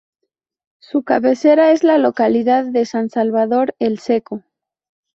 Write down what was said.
Su cabecera es la localidad de San Salvador el Seco.